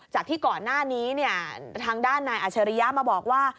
จากที่ก่อนหน้านี้เนี่ยทางด้านนายอัชริยะมาบอกว่า